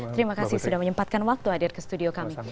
terima kasih sudah menyempatkan waktu hadir ke studio kami